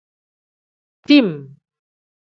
Tim.